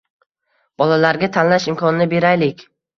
Bolalarga tanlash imkonini beraylik